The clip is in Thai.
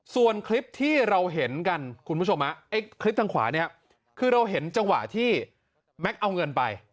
ส่วนคลิปที่เราเห็นกันคุณผู้ชมไอ้คลิปทางขวาเนี่ยคือเราเห็นจังหวะที่แม็กซ์เอาเงินไป